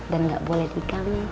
dan gak boleh diganggu